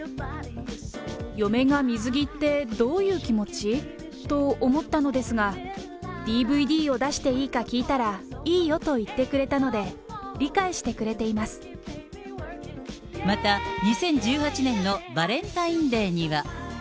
嫁が水着ってどういう気持ち？と思ったのですが、ＤＶＤを出していいか聞いたら、いいよと言ってくれたので、理解また、２０１８年のバレンタインデーには。